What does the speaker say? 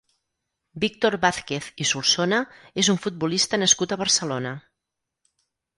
Víctor Vázquez i Solsona és un futbolista nascut a Barcelona.